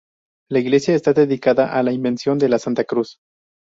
La iglesia está dedicada a La Invención de La Santa Cruz.